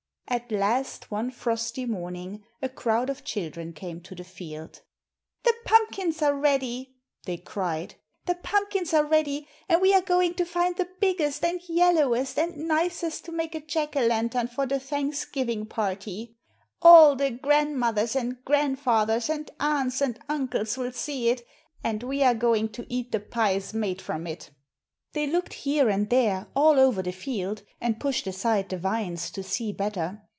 At last one frosty morning, a crowd of children came to the field. "The pumpkins are ready," they cried. "The pumpkins are ready; and we are going to find the biggest and yellowest and nicest to make a Jack o' lantern for the Thanksgiving party. All the grandmothers and grandfathers and aunts and uncles will see it, and we are going to eat the pies made from it." They looked here and there, all over the field, and pushed aside the vines to see better.